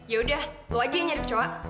yaudah lu aja yang nyari coba